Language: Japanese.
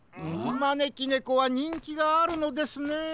まねきねこはにんきがあるのですね。